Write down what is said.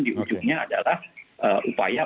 di ujungnya adalah upaya